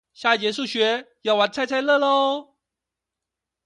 下一節數學，要玩猜猜樂囉